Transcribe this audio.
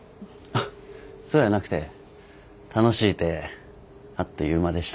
そうやなくて楽しいてあっという間でした。